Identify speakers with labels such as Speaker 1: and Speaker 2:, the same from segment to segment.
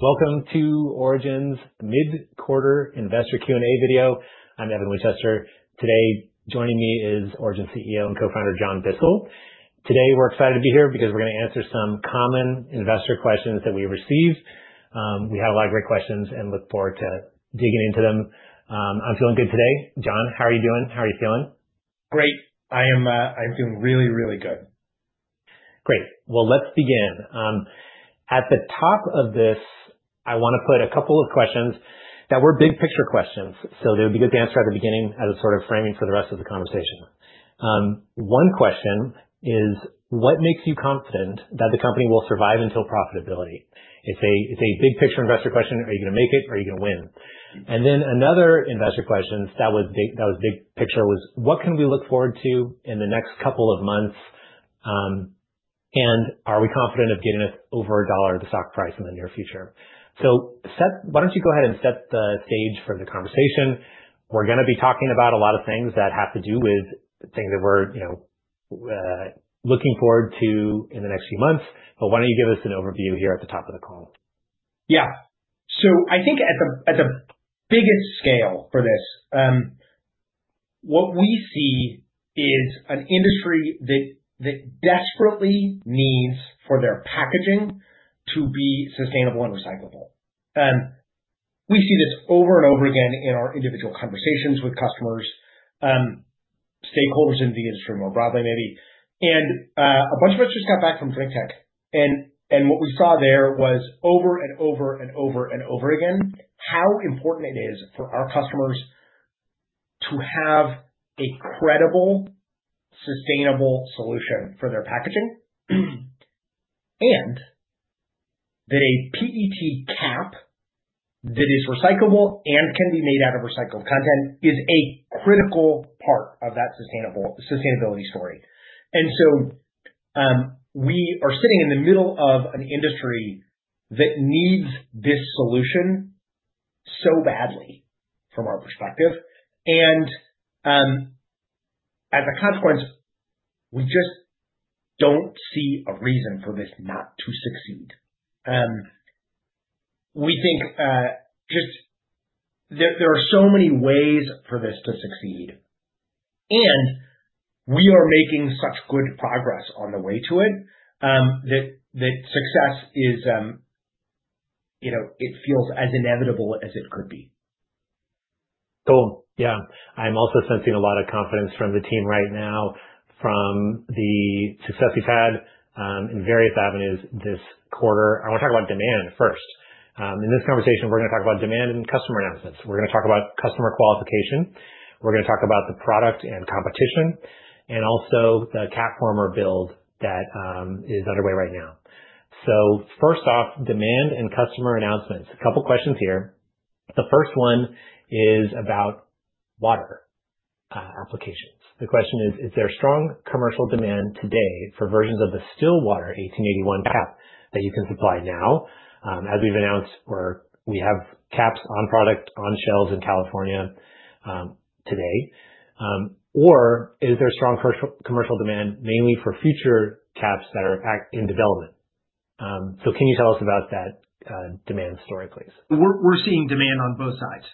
Speaker 1: Welcome to Origin's mid-quarter investor Q&A video. I'm Evan Winchester. Today, joining me is Origin CEO and Co-Founder John Bissell. Today, we're excited to be here because we're going to answer some common investor questions that we received. We have a lot of great questions and look forward to digging into them. I'm feeling good today. John, how are you doing? How are you feeling?
Speaker 2: Great. I'm doing really, really good.
Speaker 1: Great. Well, let's begin. At the top of this, I want to put a couple of questions that were big picture questions. So they would be good to answer at the beginning as a sort of framing for the rest of the conversation. One question is, what makes you confident that the company will survive until profitability? It's a big picture investor question. Are you going to make it? Are you going to win? And then another investor question that was big picture was, what can we look forward to in the next couple of months? And are we confident of getting us over $1, the stock price in the near future? So why don't you go ahead and set the stage for the conversation? We're going to be talking about a lot of things that have to do with things that we're looking forward to in the next few months. But why don't you give us an overview here at the top of the call?
Speaker 2: Yeah, so I think at the biggest scale for this, what we see is an industry that desperately needs for their packaging to be sustainable and recyclable. We see this over and over again in our individual conversations with customers, stakeholders in the industry more broadly, maybe, and a bunch of us just got back from Drinktec, and what we saw there was over and over and over and over again how important it is for our customers to have a credible, sustainable solution for their packaging, and that a PET cap that is recyclable and can be made out of recycled content is a critical part of that sustainability story, and so we are sitting in the middle of an industry that needs this solution so badly from our perspective, and as a consequence, we just don't see a reason for this not to succeed. We think just there are so many ways for this to succeed, and we are making such good progress on the way to it that success feels as inevitable as it could be.
Speaker 1: Cool. Yeah. I'm also sensing a lot of confidence from the team right now from the success we've had in various avenues this quarter. I want to talk about demand first. In this conversation, we're going to talk about demand and customer announcements. We're going to talk about customer qualification. We're going to talk about the product and competition, and also the CapFormer build that is underway right now. So first off, demand and customer announcements. A couple of questions here. The first one is about water applications. The question is, is there strong commercial demand today for versions of the still water 1881 cap that you can supply now? As we've announced, we have caps on products on shelves in California today. Or is there strong commercial demand mainly for future caps that are in development? So can you tell us about that demand story, please?
Speaker 2: We're seeing demand on both sides.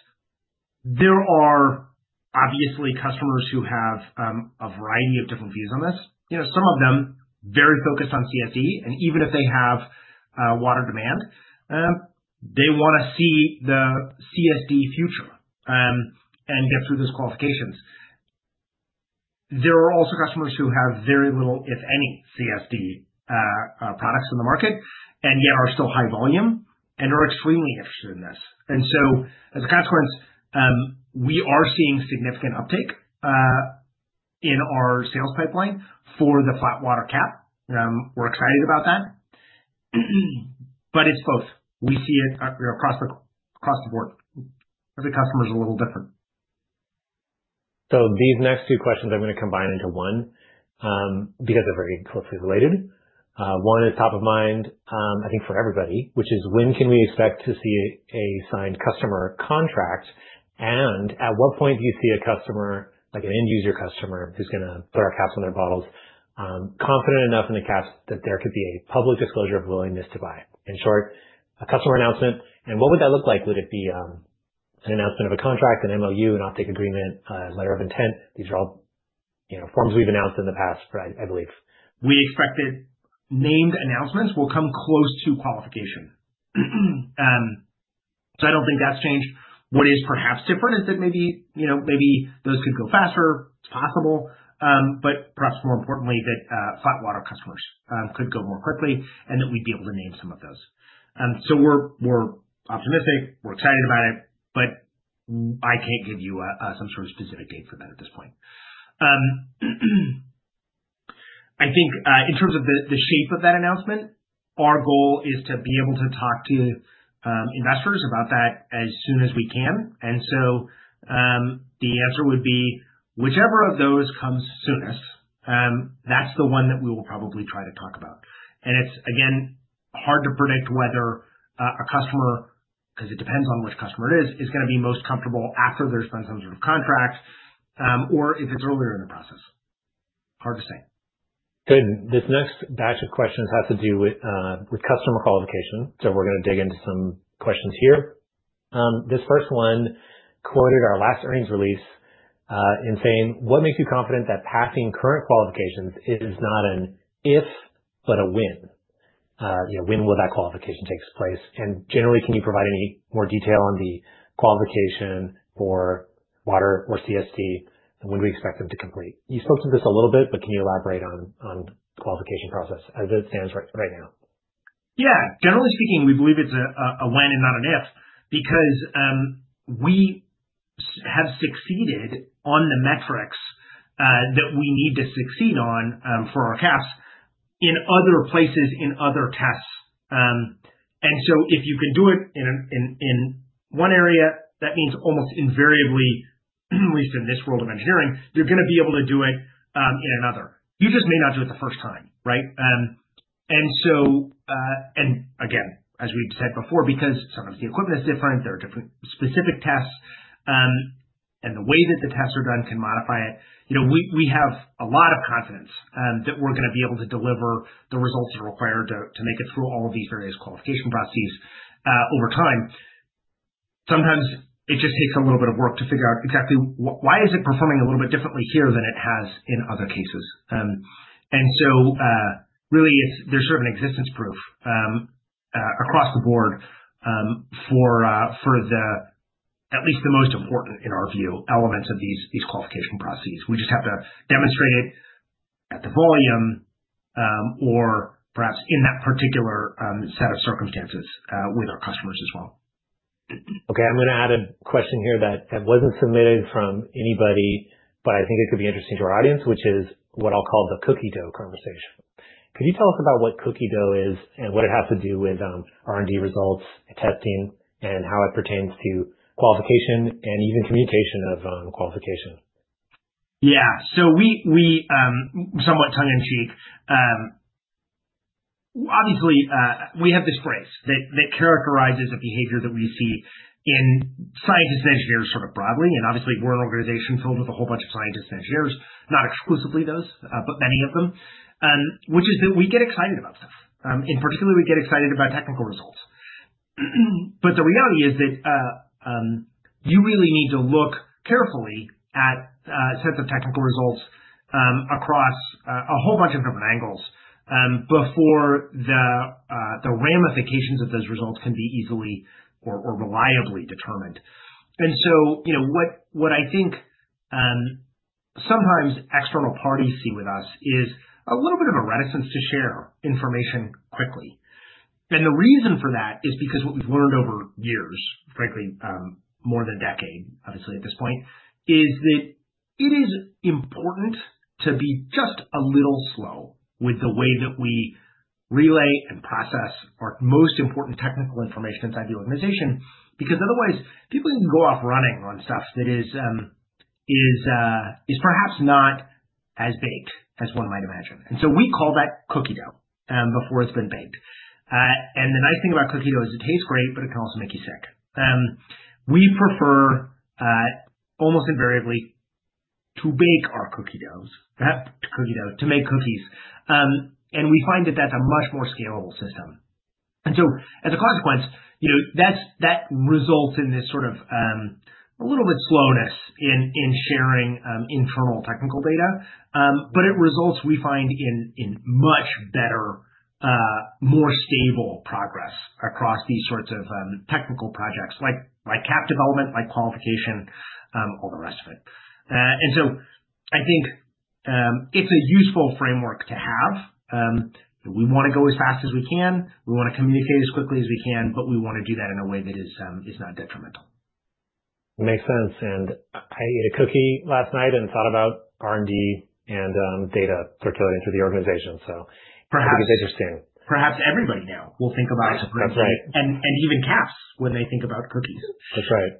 Speaker 2: There are obviously customers who have a variety of different views on this. Some of them are very focused on CSD. And even if they have water demand, they want to see the CSD future and get through those qualifications. There are also customers who have very little, if any, CSD products in the market, and yet are still high volume and are extremely interested in this. And so as a consequence, we are seeing significant uptake in our sales pipeline for the flat water cap. We're excited about that. But it's both. We see it across the board. Every customer is a little different.
Speaker 1: So these next two questions I'm going to combine into one because they're very closely related. One is top of mind, I think, for everybody, which is, when can we expect to see a signed customer contract? And at what point do you see a customer, like an end user customer, who's going to put our caps on their bottles, confident enough in the caps that there could be a public disclosure of willingness to buy? In short, a customer announcement. And what would that look like? Would it be an announcement of a contract, an MOU, an offtake agreement, a letter of intent? These are all forms we've announced in the past, I believe.
Speaker 2: We expect that named announcements will come close to qualification. So I don't think that's changed. What is perhaps different is that maybe those could go faster. It's possible. But perhaps more importantly, that flat water customers could go more quickly and that we'd be able to name some of those. So we're optimistic. We're excited about it. But I can't give you some sort of specific date for that at this point. I think in terms of the shape of that announcement, our goal is to be able to talk to investors about that as soon as we can. And so the answer would be whichever of those comes soonest, that's the one that we will probably try to talk about. It's, again, hard to predict whether a customer, because it depends on which customer it is, is going to be most comfortable after there's been some sort of contract or if it's earlier in the process. Hard to say.
Speaker 1: Good. This next batch of questions has to do with customer qualification. So we're going to dig into some questions here. This first one quoted our last earnings release in saying, "What makes you confident that passing current qualifications is not an if, but a win? When will that qualification take place?" And generally, can you provide any more detail on the qualification for water or CSD? When do we expect them to complete? You spoke to this a little bit, but can you elaborate on the qualification process as it stands right now?
Speaker 2: Yeah. Generally speaking, we believe it's a when and not an if because we have succeeded on the metrics that we need to succeed on for our caps in other places, in other tests. And so if you can do it in one area, that means almost invariably, at least in this world of engineering, you're going to be able to do it in another. You just may not do it the first time. Right? And again, as we've said before, because sometimes the equipment is different, there are different specific tests, and the way that the tests are done can modify it. We have a lot of confidence that we're going to be able to deliver the results that are required to make it through all of these various qualification processes over time. Sometimes it just takes a little bit of work to figure out exactly why is it performing a little bit differently here than it has in other cases. And so really, there's sort of an existence proof across the board for at least the most important, in our view, elements of these qualification processes. We just have to demonstrate it at the volume or perhaps in that particular set of circumstances with our customers as well.
Speaker 1: Okay. I'm going to add a question here that wasn't submitted from anybody, but I think it could be interesting to our audience, which is what I'll call the cookie dough conversation. Could you tell us about what cookie dough is and what it has to do with R&D results and testing and how it pertains to qualification and even communication of qualification?
Speaker 2: Yeah. So somewhat tongue in cheek, obviously, we have this phrase that characterizes a behavior that we see in scientists and engineers sort of broadly. And obviously, we're an organization filled with a whole bunch of scientists and engineers, not exclusively those, but many of them, which is that we get excited about stuff. In particular, we get excited about technical results. But the reality is that you really need to look carefully at a set of technical results across a whole bunch of different angles before the ramifications of those results can be easily or reliably determined. And so what I think sometimes external parties see with us is a little bit of a reticence to share information quickly. And the reason for that is because what we've learned over years, frankly, more than a decade, obviously, at this point, is that it is important to be just a little slow with the way that we relay and process our most important technical information inside the organization because otherwise, people can go off running on stuff that is perhaps not as baked as one might imagine. And so we call that cookie dough before it's been baked. And the nice thing about cookie dough is it tastes great, but it can also make you sick. We prefer almost invariably to bake our cookie doughs to make cookies. And we find that that's a much more scalable system. And so as a consequence, that results in this sort of a little bit slowness in sharing internal technical data. But it results, we find, in much better, more stable progress across these sorts of technical projects like cap development, like qualification, all the rest of it. And so I think it's a useful framework to have. We want to go as fast as we can. We want to communicate as quickly as we can, but we want to do that in a way that is not detrimental.
Speaker 1: Makes sense. And I ate a cookie last night and thought about R&D and data circulating through the organization. So I think it's interesting.
Speaker 2: Perhaps everybody now will think about cookies and even caps when they think about cookies.
Speaker 1: That's right.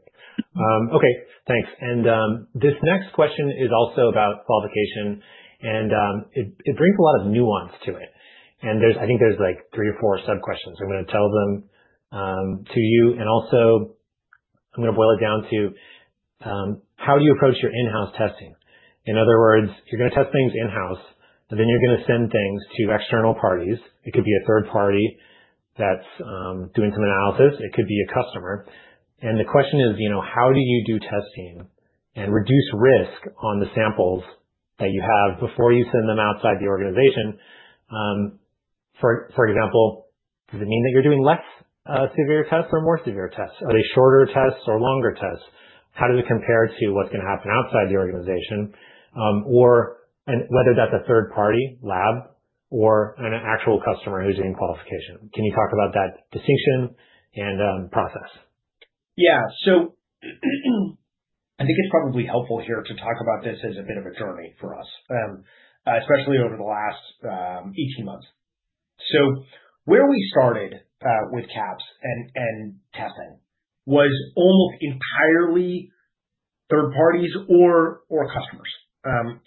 Speaker 1: Okay. Thanks. And this next question is also about qualification. And it brings a lot of nuance to it. And I think there's like three or four sub-questions. I'm going to tell them to you. And also, I'm going to boil it down to how do you approach your in-house testing? In other words, you're going to test things in-house, but then you're going to send things to external parties. It could be a third party that's doing some analysis. It could be a customer. And the question is, how do you do testing and reduce risk on the samples that you have before you send them outside the organization? For example, does it mean that you're doing less severe tests or more severe tests? Are they shorter tests or longer tests? How does it compare to what's going to happen outside the organization? Or whether that's a third party lab or an actual customer who's doing qualification? Can you talk about that distinction and process?
Speaker 2: Yeah. So I think it's probably helpful here to talk about this as a bit of a journey for us, especially over the last 18 months. So where we started with caps and testing was almost entirely third parties or customers,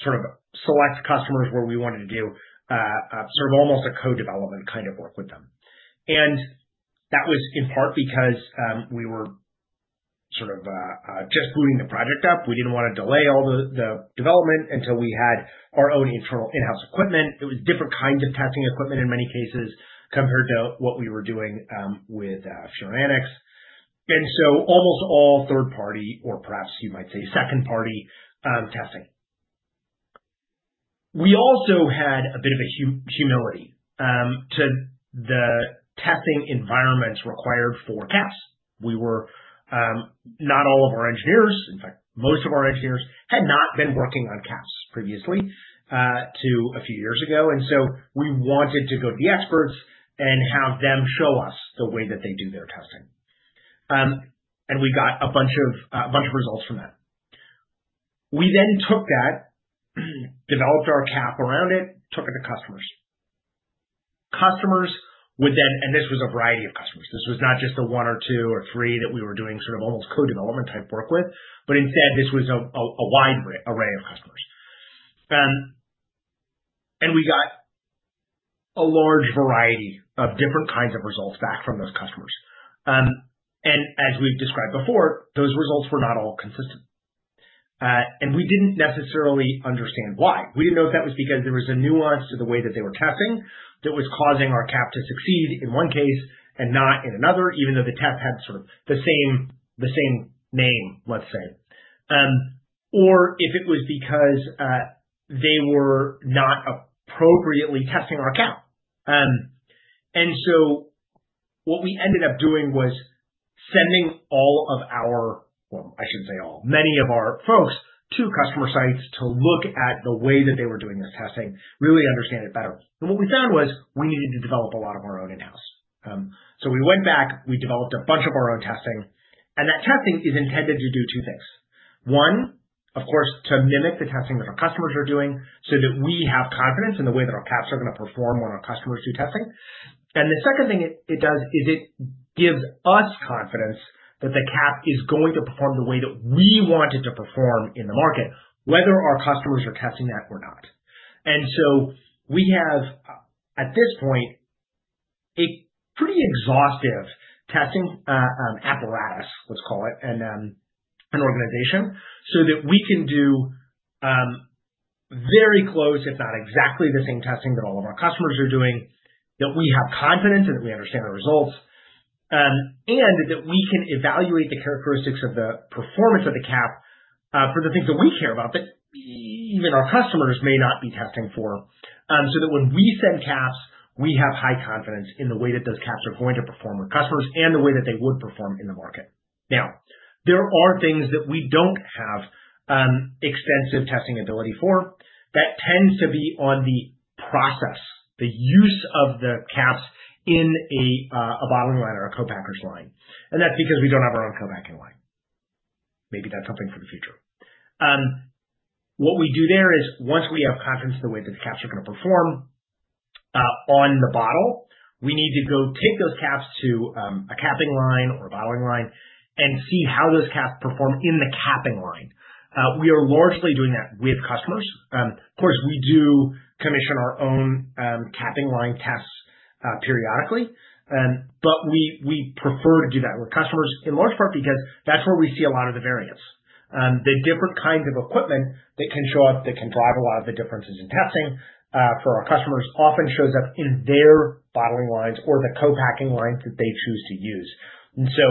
Speaker 2: sort of select customers where we wanted to do sort of almost a co-development kind of work with them. And that was in part because we were sort of just booting the project up. We didn't want to delay all the development until we had our own internal in-house equipment. It was different kinds of testing equipment in many cases compared to what we were doing with furanics. And so almost all third party or perhaps you might say second party testing. We also had a bit of a humility to the testing environments required for caps. Not all of our engineers, in fact, most of our engineers had not been working on caps previously to a few years ago. And so we wanted to go to the experts and have them show us the way that they do their testing. And we got a bunch of results from that. We then took that, developed our cap around it, took it to customers. Customers would then, and this was a variety of customers. This was not just a one or two or three that we were doing sort of almost co-development type work with, but instead, this was a wide array of customers. And we got a large variety of different kinds of results back from those customers. And as we've described before, those results were not all consistent. And we didn't necessarily understand why. We didn't know if that was because there was a nuance to the way that they were testing that was causing our cap to succeed in one case and not in another, even though the test had sort of the same name, let's say. Or if it was because they were not appropriately testing our cap. And so what we ended up doing was sending all of our, well, I shouldn't say all, many of our folks to customer sites to look at the way that they were doing this testing, really understand it better. And what we found was we needed to develop a lot of our own in-house. So we went back, we developed a bunch of our own testing. And that testing is intended to do two things. One, of course, to mimic the testing that our customers are doing so that we have confidence in the way that our caps are going to perform when our customers do testing, and the second thing it does is it gives us confidence that the cap is going to perform the way that we want it to perform in the market, whether our customers are testing that or not. And so we have, at this point, a pretty exhaustive testing apparatus, let's call it, and an organization so that we can do very close, if not exactly the same testing that all of our customers are doing, that we have confidence and that we understand the results, and that we can evaluate the characteristics of the performance of the cap for the things that we care about that even our customers may not be testing for, so that when we send caps, we have high confidence in the way that those caps are going to perform with customers and the way that they would perform in the market. Now, there are things that we don't have extensive testing ability for, that tends to be on the process, the use of the caps in a bottling line or a co-packer's line. That's because we don't have our own co-packing line. Maybe that's something for the future. What we do there is once we have confidence in the way that the caps are going to perform on the bottle, we need to go take those caps to a capping line or a bottling line and see how those caps perform in the capping line. We are largely doing that with customers. Of course, we do commission our own capping line tests periodically, but we prefer to do that with customers in large part because that's where we see a lot of the variance. The different kinds of equipment that can show up that can drive a lot of the differences in testing for our customers often shows up in their bottling lines or the co-packing lines that they choose to use. And so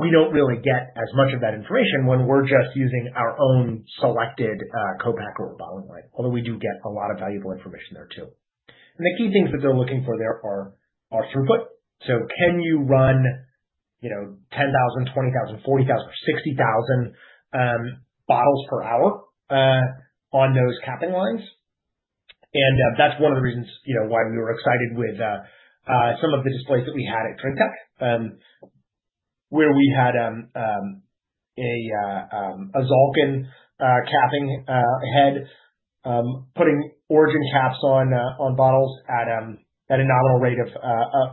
Speaker 2: we don't really get as much of that information when we're just using our own selected co-packer or bottling line, although we do get a lot of valuable information there too. And the key things that they're looking for there are throughput. So can you run 10,000, 20,000, 40,000, or 60,000 bottles per hour on those capping lines? And that's one of the reasons why we were excited with some of the displays that we had at Drinktec, where we had a Zalkin capping head putting Origin caps on bottles at a nominal rate of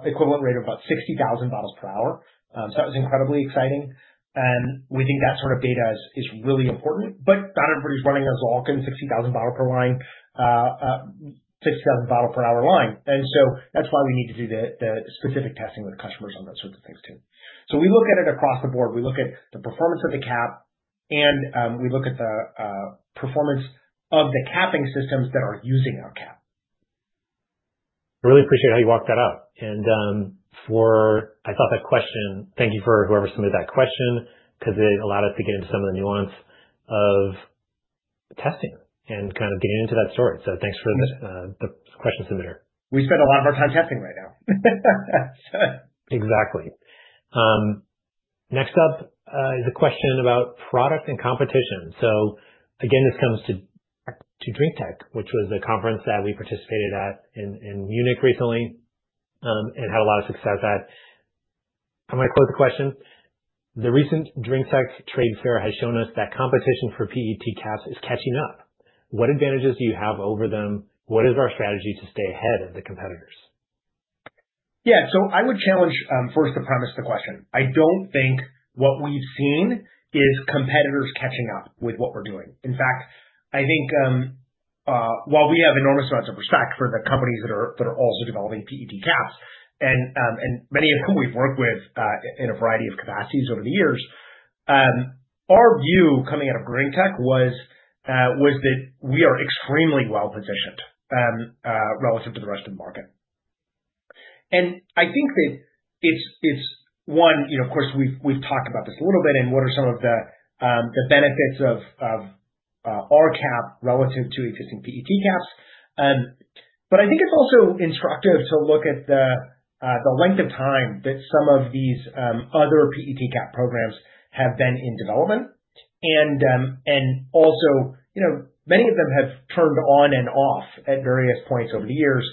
Speaker 2: equivalent rate of about 60,000 bottles per hour. So that was incredibly exciting. And we think that sort of data is really important, but not everybody's running a Zalkin 60,000 bottle per line, 60,000 bottle per hour line. And so that's why we need to do the specific testing with customers on those sorts of things too. So we look at it across the board. We look at the performance of the cap, and we look at the performance of the capping systems that are using our cap.
Speaker 1: Really appreciate how you walked that out, and before I saw that question. Thank you to whoever submitted that question because it allowed us to get into some of the nuance of testing and kind of getting into that story, so thanks to the question submitter.
Speaker 2: We spend a lot of our time testing right now.
Speaker 1: Exactly. Next up is a question about product and competition. So again, this comes to Drinktec, which was a conference that we participated at in Munich recently and had a lot of success at. I'm going to close the question. The recent Drinktec Trade Fair has shown us that competition for PET caps is catching up. What advantages do you have over them? What is our strategy to stay ahead of the competitors?
Speaker 2: Yeah. So I would challenge first to premise the question. I don't think what we've seen is competitors catching up with what we're doing. In fact, I think while we have enormous amounts of respect for the companies that are also developing PET caps, and many of whom we've worked with in a variety of capacities over the years, our view coming out of Drinktec was that we are extremely well-positioned relative to the rest of the market. And I think that it's one, of course, we've talked about this a little bit and what are some of the benefits of our cap relative to existing PET caps. But I think it's also instructive to look at the length of time that some of these other PET cap programs have been in development. And also, many of them have turned on and off at various points over the years.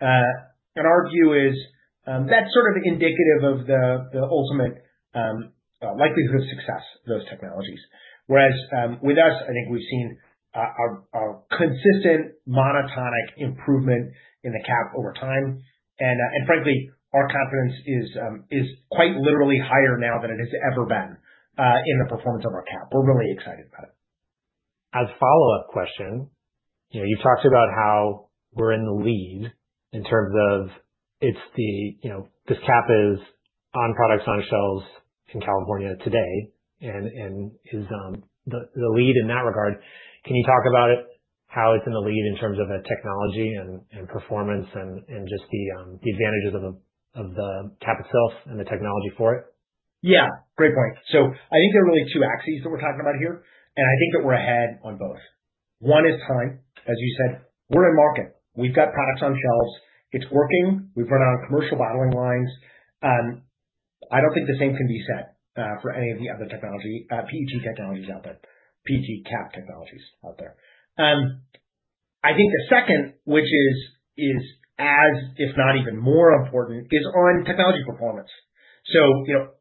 Speaker 2: Our view is that's sort of indicative of the ultimate likelihood of success of those technologies. Whereas with us, I think we've seen a consistent monotonic improvement in the cap over time. Frankly, our confidence is quite literally higher now than it has ever been in the performance of our cap. We're really excited about it.
Speaker 1: As a follow-up question, you've talked about how we're in the lead in terms of this cap is on products on shelves in California today and is the lead in that regard. Can you talk about how it's in the lead in terms of a technology and performance and just the advantages of the cap itself and the technology for it?
Speaker 2: Yeah. Great point. So I think there are really two axes that we're talking about here. And I think that we're ahead on both. One is time, as you said. We're in market. We've got products on shelves. It's working. We've run out of commercial bottling lines. I don't think the same can be said for any of the other technology PET technologies out there, PET cap technologies out there. I think the second, which is as if not even more important, is on technology performance. So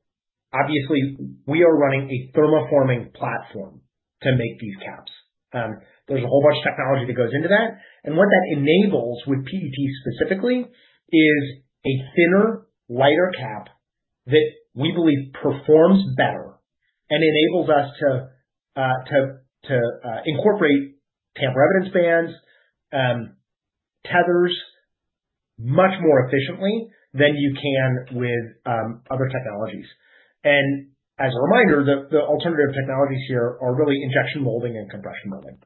Speaker 2: obviously, we are running a thermoforming platform to make these caps. There's a whole bunch of technology that goes into that. And what that enables with PET specifically is a thinner, lighter cap that we believe performs better and enables us to incorporate tamper evidence bands, tethers much more efficiently than you can with other technologies. As a reminder, the alternative technologies here are really injection molding and compression molding.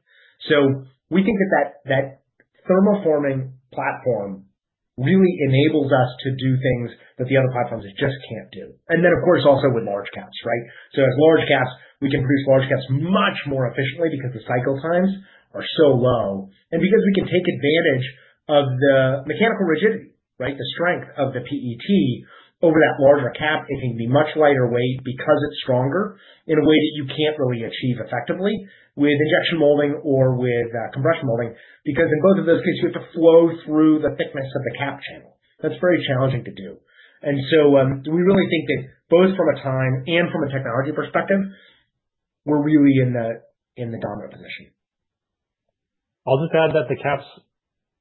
Speaker 2: We think that that thermoforming platform really enables us to do things that the other platforms just can't do. Then, of course, also with large caps, right? As large caps, we can produce large caps much more efficiently because the cycle times are so low and because we can take advantage of the mechanical rigidity, right, the strength of the PET over that larger cap. It can be much lighter weight because it's stronger in a way that you can't really achieve effectively with injection molding or with compression molding because in both of those cases, you have to flow through the thickness of the cap channel. That's very challenging to do. And so we really think that both from a time and from a technology perspective, we're really in the dominant position.
Speaker 1: I'll just add that the caps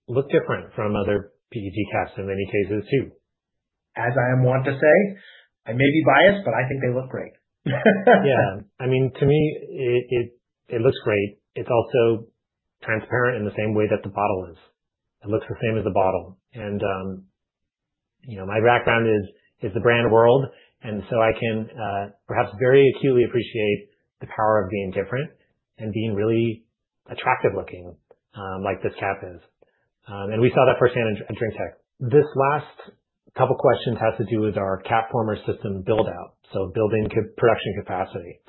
Speaker 1: look different from other PET caps in many cases too.
Speaker 2: As I am one to say, I may be biased, but I think they look great.
Speaker 1: Yeah. I mean, to me, it looks great. It's also transparent in the same way that the bottle is. It looks the same as the bottle. And my background is the brand world. And so I can perhaps very acutely appreciate the power of being different and being really attractive looking like this cap is. And we saw that firsthand at Drinktec. This last couple of questions has to do with our CapFormer system build-out, so building production capacity.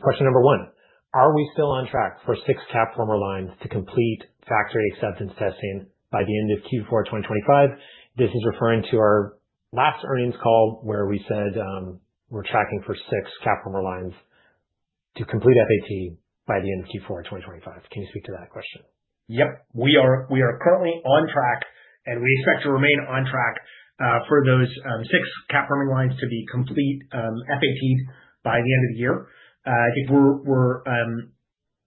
Speaker 1: Question number one, are we still on track for six CapFormer lines to complete Factory Acceptance Testing by the end of Q4 2025? This is referring to our last earnings call where we said we're tracking for six CapFormer lines to complete FAT by the end of Q4 2025. Can you speak to that question?
Speaker 2: Yep. We are currently on track, and we expect to remain on track for those six CapFormer lines to complete FAT by the end of the year. I think we're,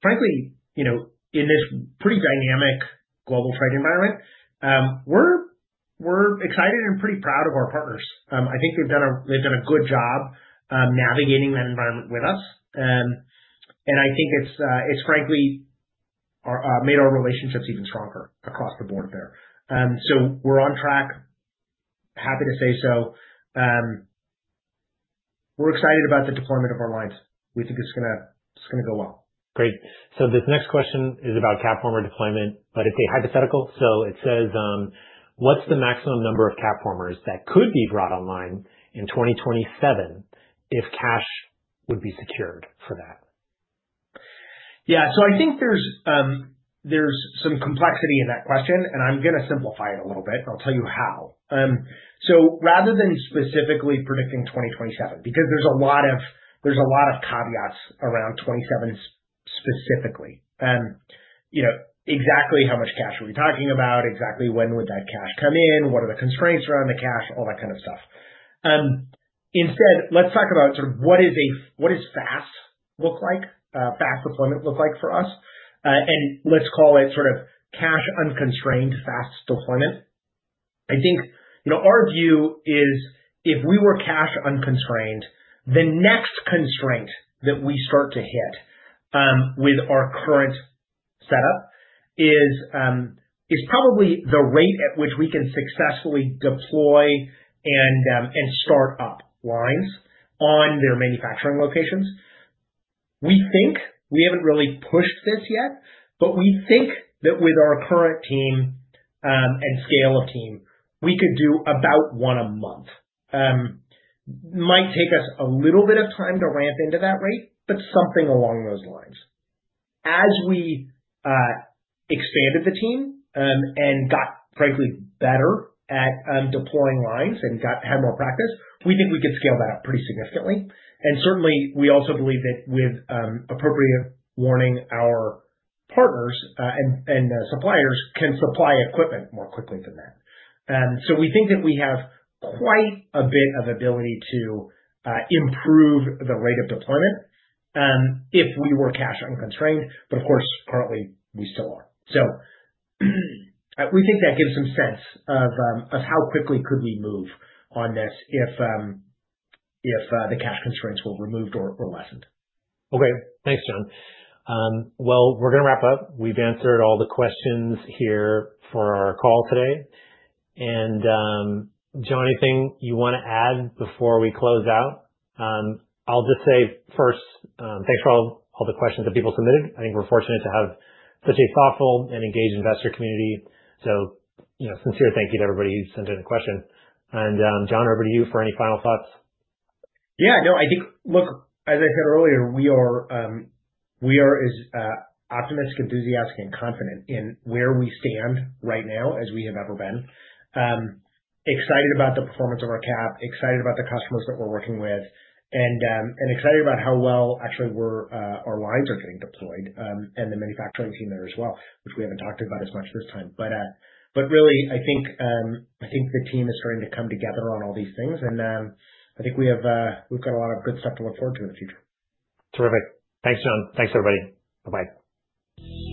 Speaker 2: frankly, in this pretty dynamic global trade environment, we're excited and pretty proud of our partners. I think they've done a good job navigating that environment with us. I think it's frankly made our relationships even stronger across the board there. We're on track, happy to say so. We're excited about the deployment of our lines. We think it's going to go well.
Speaker 1: Great. So this next question is about CapFormer deployment, but it's a hypothetical. So it says, what's the maximum number of CapFormers that could be brought online in 2027 if cash would be secured for that?
Speaker 2: Yeah. So I think there's some complexity in that question, and I'm going to simplify it a little bit, and I'll tell you how. So rather than specifically predicting 2027, because there's a lot of caveats around 2027 specifically, exactly how much cash are we talking about, exactly when would that cash come in, what are the constraints around the cash, all that kind of stuff. Instead, let's talk about sort of what does fast look like, fast deployment look like for us, and let's call it sort of cash unconstrained fast deployment. I think our view is if we were cash unconstrained, the next constraint that we start to hit with our current setup is probably the rate at which we can successfully deploy and start up lines on their manufacturing locations. We think we haven't really pushed this yet, but we think that with our current team and scale of team, we could do about one a month. Might take us a little bit of time to ramp into that rate, but something along those lines. As we expanded the team and got, frankly, better at deploying lines and had more practice, we think we could scale that up pretty significantly, and certainly, we also believe that with appropriate warning, our partners and suppliers can supply equipment more quickly than that, so we think that we have quite a bit of ability to improve the rate of deployment if we were cash unconstrained, but of course, currently, we still are, so we think that gives some sense of how quickly could we move on this if the cash constraints were removed or lessened.
Speaker 1: Okay. Thanks, John. We're going to wrap up. We've answered all the questions here for our call today. John, anything you want to add before we close out? I'll just say first, thanks for all the questions that people submitted. I think we're fortunate to have such a thoughtful and engaged investor community. Sincere thank you to everybody who sent in a question. John, over to you for any final thoughts.
Speaker 2: Yeah. No, I think, look, as I said earlier, we are as optimistic, enthusiastic, and confident in where we stand right now as we have ever been, excited about the performance of our cap, excited about the customers that we're working with, and excited about how well actually our lines are getting deployed and the manufacturing team there as well, which we haven't talked about as much this time, but really, I think the team is starting to come together on all these things, and I think we've got a lot of good stuff to look forward to in the future.
Speaker 1: Terrific. Thanks, John. Thanks, everybody. Bye-bye.